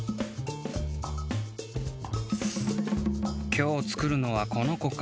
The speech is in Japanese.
きょう作るのはこのこか。